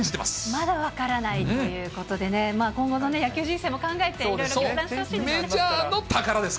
まだ分からないということでね、今後の野球人生も考えて、いろいろ決断してほしいです。